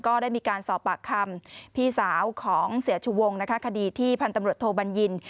ก็ได้มีการสอบปากคำพี่สาวของเสียชูวงนะคะคดีที่พันธุ์ตำรวจโทบัญญิน